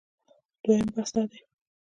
دویم بحث دا دی